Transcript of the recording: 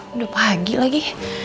udah pagi lagi